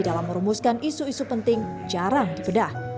dalam merumuskan isu isu penting jarang dibedah